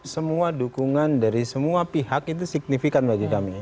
semua dukungan dari semua pihak itu signifikan bagi kami